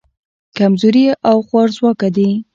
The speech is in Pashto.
کمزوري او خوارځواکه دي.